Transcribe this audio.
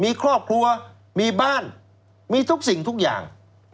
มีครอบครัวมีบ้านมีทุกสิ่งทุกอย่าง